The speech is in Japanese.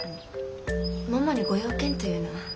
ももにご用件というのは？